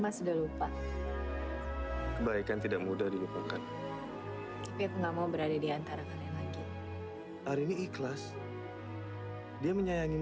jadi aku cuma mau nyayangi